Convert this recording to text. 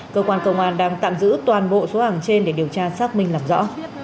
cơ quan cầu ngoan đang tạm giữ toàn bộ số hàng trên để điều tra xác minh làm rõ